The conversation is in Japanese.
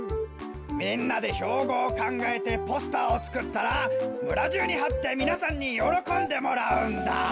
みんなでひょうごをかんがえてポスターをつくったらむらじゅうにはってみなさんによろこんでもらうんだ。